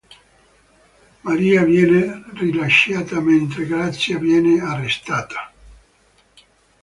Maria viene rilasciata mentre Grazia viene arrestata.